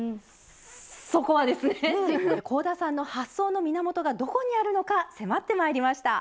そこはですね香田さんの発想の源がどこにあるのか迫ってまいりました。